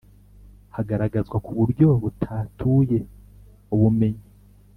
Hagaragazwa kuburyo butatuye ubumenyi